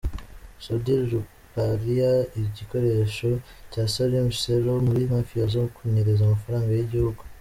Sudhir Ruparelia, igikoresho cya Salim Saleh muri Mafia zo kunyereza amafaranga y’igihugu